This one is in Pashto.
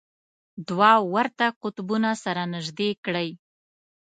دوه ورته قطبونه سره نژدې کړئ.